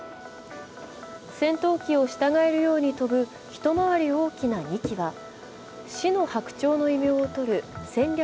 戦闘機を従えるように飛ぶ一回り大きな２機は死の白鳥の異名をとる戦略